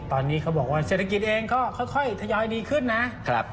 ตอนนี้เขาบอกว่าเศรษฐกิจเองก็ค่อยทยอยดีขึ้นนะครับ